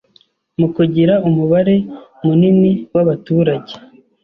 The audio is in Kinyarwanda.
mu kugira umubare munini w’abaturage